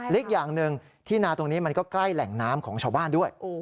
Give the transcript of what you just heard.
อีกอย่างหนึ่งที่นาตรงนี้มันก็ใกล้แหล่งน้ำของชาวบ้านด้วย